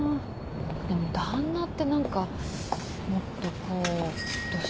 でも旦那って何かもっとこうどっしりと。